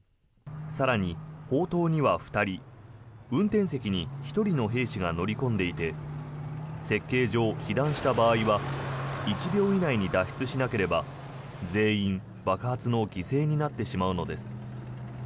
更に砲塔には２人運転席に１人の兵士が乗り込んでいて設計上、被弾した場合は１秒以内に脱出しなければ全員、爆発の犠牲になってしまうのです。